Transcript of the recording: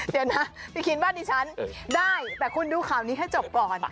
เดี๋ยวนะพี่คินบ้านดิฉันได้แต่คุณดูข่าวนี้ให้จบก่อน